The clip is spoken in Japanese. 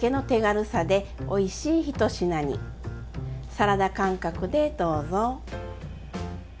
サラダ感覚でどうぞ。